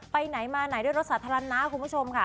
ไปไหนมาไหนด้วยรถสาธารณะคุณผู้ชมค่ะ